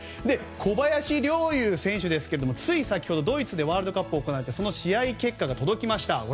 小林陵侑選手ですがつい先ほど、ドイツでワールドカップが行われてその試合結果が届きました。